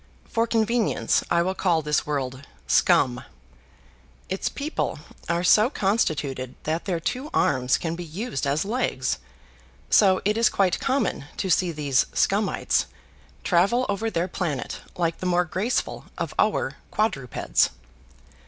For convenience, I will call this world Scum. Its people are so constituted that their two arms can be used as legs; so it is quite common to see these Scumites travel over their planet like the more graceful of our quadrupeds.